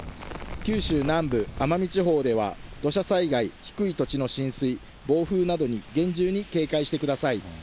九州南部、奄美地方では、土砂災害、低い土地の浸水、暴風などに厳重に警戒してください。